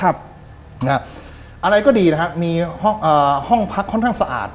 อะไรก็ดีนะครับมีห้องพักค่อนข้างสะอาด